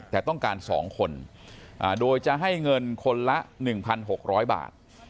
แต่ต้องการ๒คนโดยจะให้เงินคนละ๑๖๐๐บาท